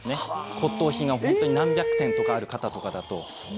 骨とう品が本当に何百点とかある方とかだと。